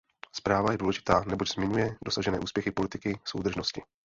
Zpráva je důležitá, neboť zmiňuje dosažené úspěchy politiky soudržnosti.